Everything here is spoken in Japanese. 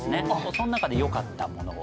そん中で良かったものを。